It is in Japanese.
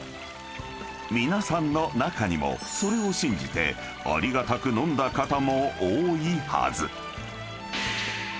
［皆さんの中にもそれを信じてありがたく飲んだ方も多いはず］